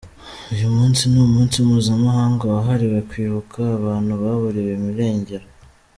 Uyu munsi ni umunsi mpuzamahanga wahariwe kwibuka abantu baburiwe irengero.